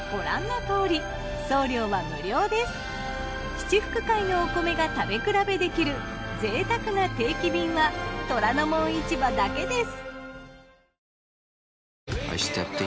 七福会のお米が食べ比べできる贅沢な定期便は『虎ノ門市場』だけです。